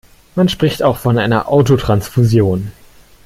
Man spricht auch von einer Autotransfusion.